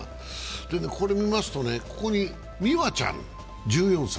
これ見ますと、ここに美和ちゃん１４歳。